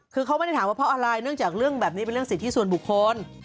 คือเขาไม่ได้ถามว่าเพราะอะไรเนื่องจากเรื่องแบบนี้เป็นเรื่องสิทธิส่วนบุคคล